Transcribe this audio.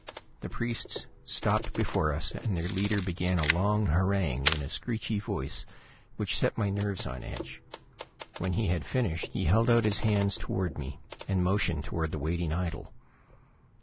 The priests stopped before us and their leader began a long harangue in a screechy voice which set my nerves on edge. When he had finished he held out his hands toward me, and motioned toward the waiting idol.